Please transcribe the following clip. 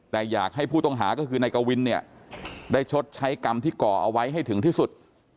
แต่อยากให้ผู้ต้องหาก็คือนายกวินเนี่ยได้ชดใช้กรรมที่ก่อเอาไว้ให้ถึงที่สุด